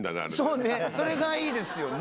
そうねそれがいいですよね。